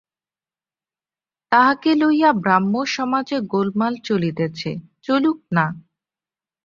তাহাকে লইয়া ব্রাহ্মসমাজে গোলমাল চলিতেছে, চলুক-না।